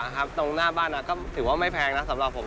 ตรงหน้าบ้านก็ถือว่าไม่แพงนะสำหรับผม